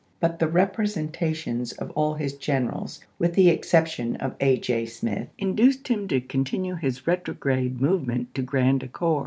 But the repre sentations of all his generals, with the exception of A. J. Smith, induced him to continue his retrograde movement to Grand Ecore.